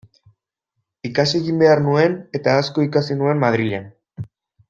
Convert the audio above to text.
Ikasi egin behar nuen, eta asko ikasi nuen Madrilen.